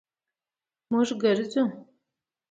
مونږ ګرځو